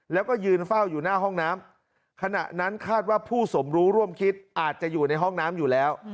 แล้วก็ยืนเฝ้าอยู่หน้าห้องน้ำขณะนั้นคาดว่าผู้สมรู้ร่วมคิดอาจจะอยู่ในห้องน้ำอยู่แล้ว